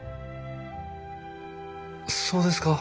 そうですか。